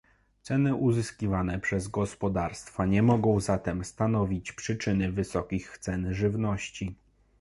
Ceny uzyskiwane przez gospodarstwa nie mogą zatem stanowić przyczyny wysokich cen żywności